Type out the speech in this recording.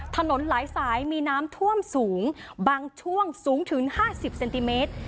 ถนนหลายสายมีน้ำท่วมสูงบางช่วงสูงถึง๕๐เซนติเมตร